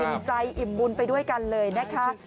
ใจอิ่มบุญไปด้วยกันเลยนะคะ